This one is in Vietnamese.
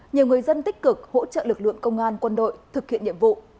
nhiều người dân tích cực hỗ trợ lực lượng công an quân đội thực hiện nhiệm vụ